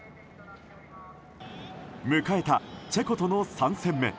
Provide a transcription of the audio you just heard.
迎えた、チェコとの３戦目。